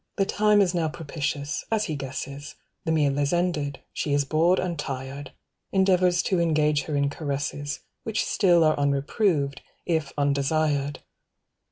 The time is now propitious, as he guesses, The meal is ended, she is bored and tired, Endeavours to engage her in caresses Which still are unreproved, if undesired.